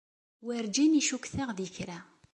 Werǧin i ccukteɣ di kra.